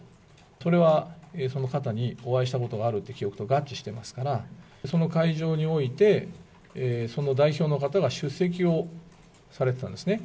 それはその方にお会いしたことがあるという記憶に合致してますから、その会場において、その代表の方が出席をされてたんですね。